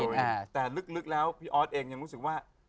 แต่ลึกแล้วพี่ออสเองยังรู้สึกว่า